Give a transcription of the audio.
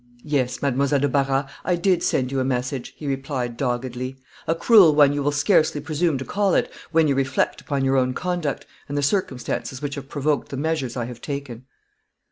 "Yes, Mademoiselle de Barras, I did send you a message," he replied, doggedly. "A cruel one you will scarcely presume to call it, when you reflect upon your own conduct, and the circumstances which have provoked the measures I have taken."